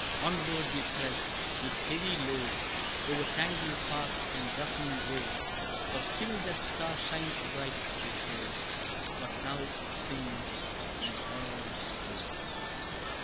Onward we press, with heavy load, O'er tangled path and rough'ning road, For still that Star shines bright before; But now it sinks, and all is o'er!